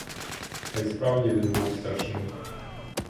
Та й справді він був страшний.